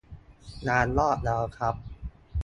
งานงอกแล้วครับ